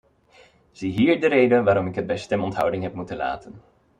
Ziehier de reden waarom ik het bij stemonthouding heb moeten laten.